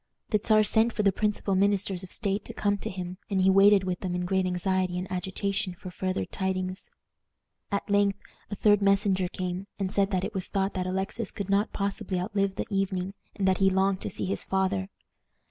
The Czar sent for the principal ministers of state to come to him, and he waited with them in great anxiety and agitation for farther tidings. At length a third messenger came, and said that it was thought that Alexis could not possibly outlive the evening, and that he longed to see his father.